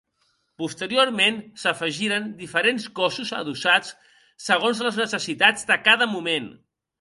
Posteriorment s'afegiren diferents cossos adossats segons les necessitats de cada moment.